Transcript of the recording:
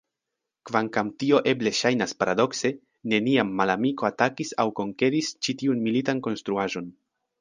Kvankam tio eble ŝajnas paradokse, neniam malamiko atakis aŭ konkeris ĉi tiun militan konstruaĵon.